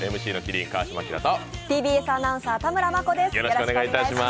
川島明とＴＢＳアナウンサー田村真子です。